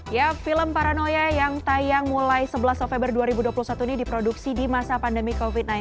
ya film paranoia yang tayang mulai sebelas november dua ribu dua puluh satu ini diproduksi di masa pandemi covid sembilan belas